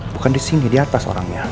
bukan disini diatas orangnya